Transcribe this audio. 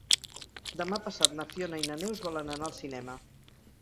Demà passat na Fiona i na Neus volen anar al cinema.